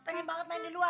pengen banget main di luar